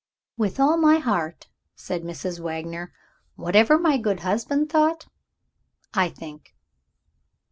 "With all my heart," said Mrs. Wagner. "Whatever my good husband thought, I think."